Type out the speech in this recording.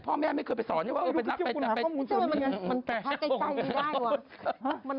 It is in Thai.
พ่อแม่ไม่เคยไปสอนอย่างนี้ว่าเป็นลักษณ์ไปจับภาพ